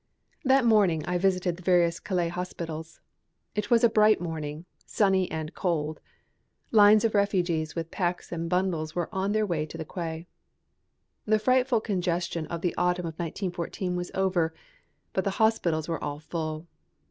That morning I visited the various Calais hospitals. It was a bright morning, sunny and cold. Lines of refugees with packs and bundles were on their way to the quay. The frightful congestion of the autumn of 1914 was over, but the hospitals were all full.